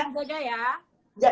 saling jaga ya